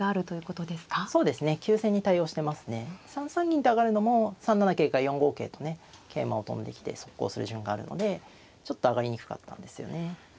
銀って上がるのも３七桂から４五桂とね桂馬を跳んできて速攻する順があるのでちょっと上がりにくかったんですよね。